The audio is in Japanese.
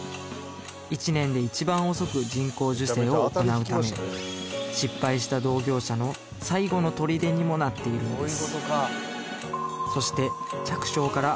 １年で一番遅く人工授精を行うため失敗したにもなっているんです